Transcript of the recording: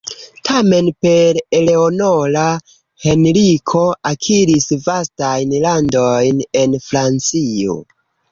Tamen per Eleonora, Henriko akiris vastajn landojn en Francio.